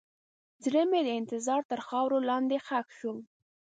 زړه مې د انتظار تر خاورو لاندې ښخ شو.